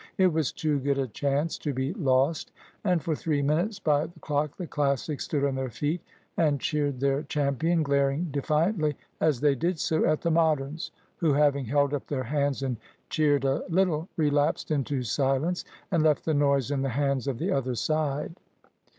It was too good a chance to be lost, and for three minutes by the clock the Classics stood on their feet and cheered their champion, glaring defiantly as they did so at the Moderns, who having held up their hands and cheered a little, relapsed into silence and left the noise in the hands of the other side.